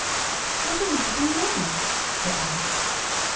"What are we to do now?" said Denis.